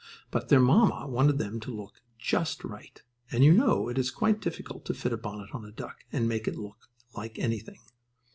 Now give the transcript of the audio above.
But their mamma wanted them to look just right, and you know it is quite difficult to fit a bonnet on a duck and make it look like anything.